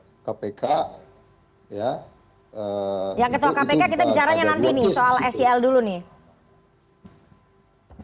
yang ketua kpk kita bicaranya nanti nih soal sel dulu nih